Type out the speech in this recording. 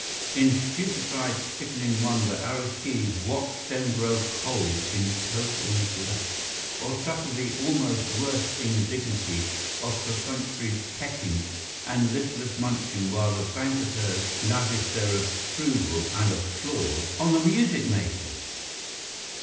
In stupefied, sickened wonder Aristide watched them grow cold in total neglect, or suffer the almost worse indignity of perfunctory pecking and listless munching while the banqueters lavished their approval and applause on the music makers.